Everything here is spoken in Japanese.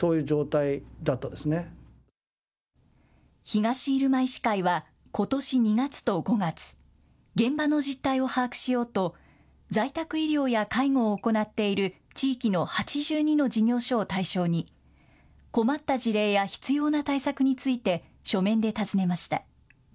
東入間医師会はことし２月と５月、現場の実態を把握しようと在宅医療や介護を行っている地域の８２の事業所を対象に困った事例や必要な対策について書面で尋ねました。